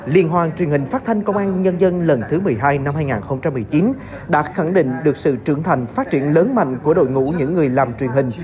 liên hoan truyền hình phát thanh công an nhân dân lần thứ một mươi hai năm hai nghìn một mươi chín đã khẳng định được sự trưởng thành phát triển lớn mạnh của đội ngũ những người làm truyền hình